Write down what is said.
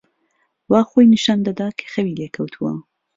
وا خۆی نیشان دەدا کە خەوی لێ کەوتووە.